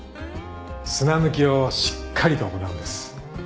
砂抜きをしっかりと行うんです。